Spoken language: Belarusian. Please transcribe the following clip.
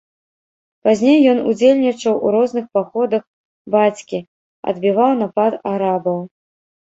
Пазней ён удзельнічаў у розных паходах бацькі, адбіваў напад арабаў.